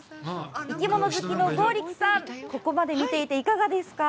生き物好きの剛力さん、ここまで見ていて、いかがですか？